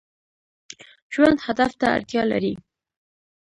ژوند هدف ته اړتیا لري